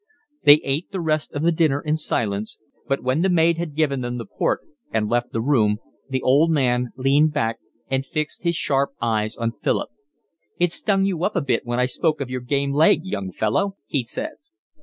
They ate the rest of the dinner in silence; but when the maid had given them the port and left the room, the old man leaned back and fixed his sharp eyes on Philip. "It stung you up a bit when I spoke of your game leg, young fellow?" he said.